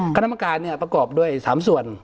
คณะมการเนี่ยประกอบด้วยสามส่วน